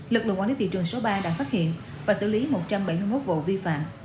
lực lượng quản lý thị trường số ba đã phát hiện và xử lý một trăm bảy mươi một vụ vi phạm